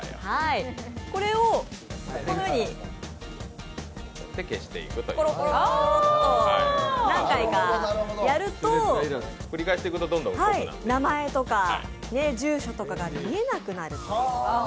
これをこのようにころころーっと何回かやると名前とか住所とかが見えなくなる。